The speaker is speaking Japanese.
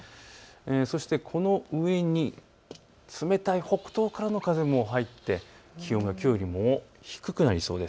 そしてこの上に冷たい北東からの風も入って気温がきょうよりも低くなりそうです。